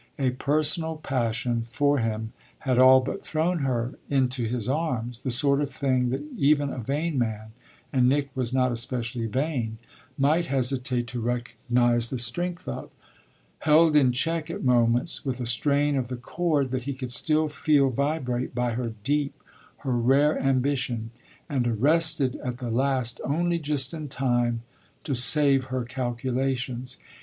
A personal passion for him had all but thrown her into his arms (the sort of thing that even a vain man and Nick was not especially vain might hesitate to recognise the strength of); held in check at moments, with a strain of the cord that he could still feel vibrate, by her deep, her rare ambition, and arrested at the last only just in time to save her calculations.